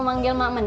lain balik deh